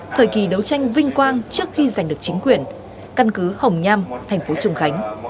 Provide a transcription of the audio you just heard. thời kỳ đấu tranh vinh quang trước khi giành được chính quyền căn cứ hồng nham thành phố trùng khánh